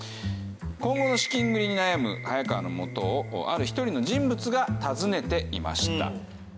今後の資金繰りに悩む早川の元をある一人の人物が訪ねていました。